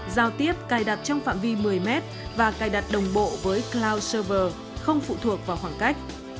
giao tiếp cài đặt trong phạm vi một mươi m và cài đặt đồng bộ với cloud server không phụ thuộc vào khoảng cách